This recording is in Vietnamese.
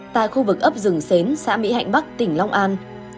tại khu vực ấp rừng xến xã mỹ hạnh bắc tỉnh long an